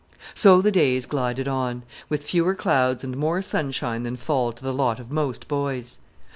So the days glided on, with fewer clouds and more sunshine than fall to the lot of most boys.